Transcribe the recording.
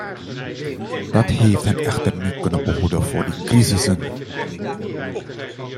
Dat heeft hen echter niet kunnen behoeden voor die crisissen!